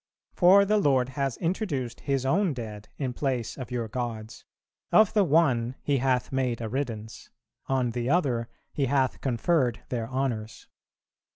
For the Lord has introduced His own dead in place of your gods; of the one He hath made a riddance, on the other He hath conferred their honours.